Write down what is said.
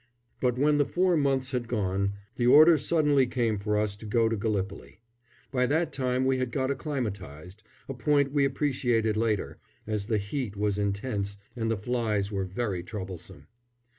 But when the four months had gone, the order suddenly came for us to go to Gallipoli. By that time we had got acclimatised, a point we appreciated later, as the heat was intense and the flies were very troublesome.